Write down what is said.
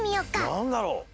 なんだろ。